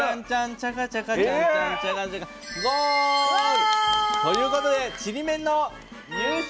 チャカチャカチャンチャンチャカチャカゴール！ということでちりめんの優勝！